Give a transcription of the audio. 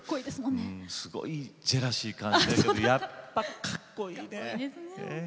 すごいジェラシーを感じてやっぱりかっこいいね。